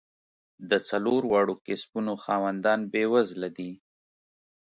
د څلور واړو کسبونو خاوندان بېوزله دي.